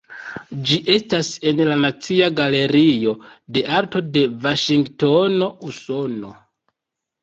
Ĝi estas en la Nacia Galerio de Arto de Vaŝingtono, Usono.